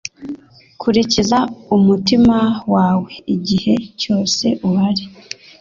Kurikiza umutima wawe igihe cyose uhari